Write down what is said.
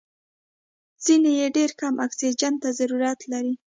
ځینې یې ډېر کم اکسیجن ته ضرورت لري.